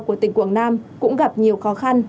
của tỉnh quảng nam cũng gặp nhiều khó khăn